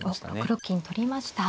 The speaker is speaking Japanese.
６六金取りました。